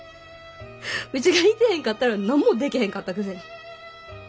うちがいてへんかったら何もできへんかったくせに。